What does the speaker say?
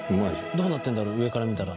どうなってんだろう上から見たら。